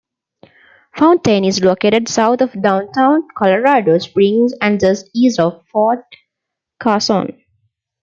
Fountain is located south of downtown Colorado Springs and just east of Fort Carson.